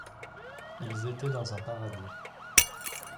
Ils étaient dans un paradis.